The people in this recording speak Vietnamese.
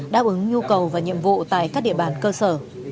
đáp ứng nhu cầu và nhiệm vụ tại các địa bàn cơ sở